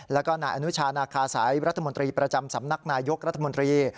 แล้วก็นายอนุชานาคาสัยรัฐมนตรีประจำสำนักนายยกรัฐมนตรี